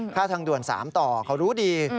ทางด่วน๓ต่อเขารู้ดี